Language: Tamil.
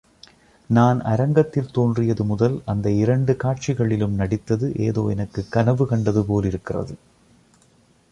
நான் அரங்கத்தில் தோன்றியது முதல், அந்த இரண்டு காட்சிகளிலும் நடித்தது ஏதோ எனக்குக் கனவு கண்டது போலிருக்கிறது.